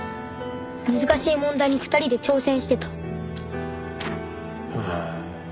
難しい問題に２人で挑戦してた。